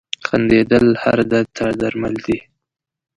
• خندېدل هر درد ته درمل دي.